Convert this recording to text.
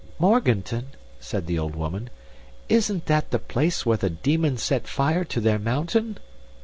"Morganton?" said the old woman, "isn't that the place where the demons set fire to their mountain?"